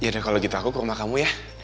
kalau begitu aku ke rumah kamu ya